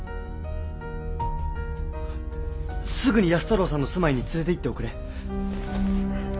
すぐに安太郎さんの住まいに連れて行っておくれ。